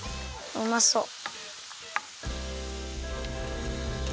うまそう！